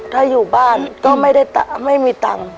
ถ้าอยู่บ้านก็ไม่ได้